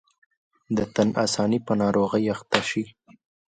د تن آساني په ناروغۍ اخته شي.